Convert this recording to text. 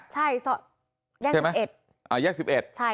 ใช่ใช่ไหมแยกสิบเอ็ดอ่าแยกสิบเอ็ดใช่